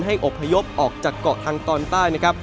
อบพยพออกจากเกาะทางตอนใต้นะครับ